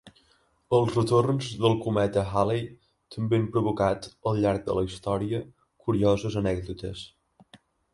Els retorns del cometa Halley també han provocat al llarg de la història curioses anècdotes.